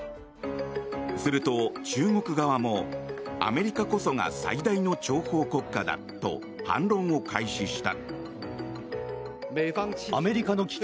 すると、中国側もアメリカこそが最大の諜報国家だと反論を開始した。